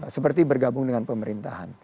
seperti bergabung dengan pemerintahan